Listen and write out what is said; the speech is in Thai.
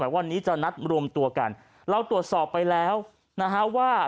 วันนี้จะนัดรวมตัวกันเราตรวจสอบไปแล้วนะฮะว่า